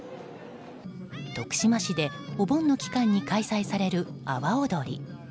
徳島市でお盆の期間に開催される阿波おどり。